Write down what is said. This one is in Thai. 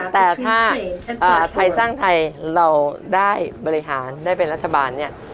แต่ถ้าไทยสร้างไทยเราได้บริหารได้เป็นรัฐบาลเนี่ย